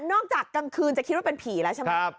กลางคืนจะคิดว่าเป็นผีแล้วใช่ไหม